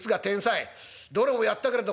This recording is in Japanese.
どれもやったけれどもな